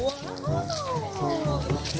นี่